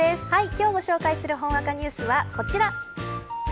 今日ご紹介するほんわかニュースはこちら。